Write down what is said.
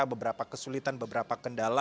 beberapa kesulitan beberapa kendala